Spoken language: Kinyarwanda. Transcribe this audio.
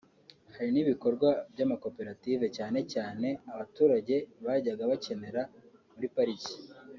Hari n’ibikorwa by’amakoperative cyane cyane abaturage bajyaga bakenera muri pariki